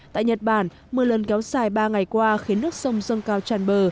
tại nhật bản mưa lơn kéo dài ba ngày qua khiến nước sông dông cao tràn bờ